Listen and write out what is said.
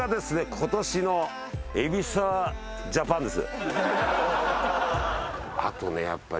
今年の海老澤ジャパンです。